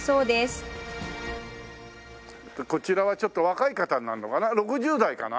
こちらはちょっと若い方になるのかな？